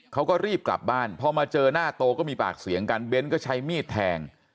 เขาก็รีบกลับบ้านพอมาเจอหน้าโตก็มีปากเสียงกันเบ้นก็ใช้มีดแทง